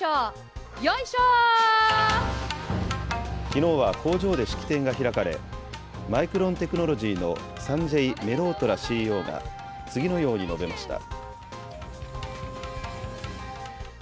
きのうは工場で式典が開かれ、マイクロンテクノロジーのサンジェイ・メロートラＣＥＯが次のように述べました。